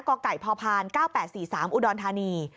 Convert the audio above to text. กไก่พพ๙๘๔๓อุดรธานี